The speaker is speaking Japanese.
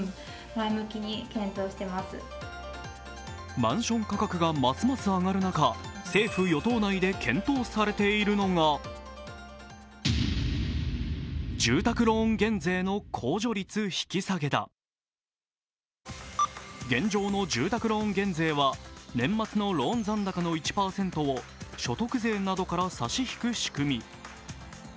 マンション価格がますます上がる中、政府与党内で検討されているのが現状の住宅ローン減税は年末のローン残高の１％を所得税などから差し引く仕組み。